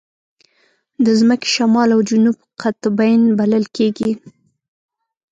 د ځمکې شمال او جنوب قطبین بلل کېږي.